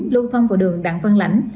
lưu thông vào đường đảng văn lãnh